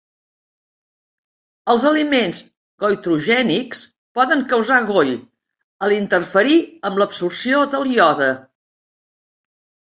Els aliments goitrogènics poden causar goll a l'interferir amb l'absorció de iode.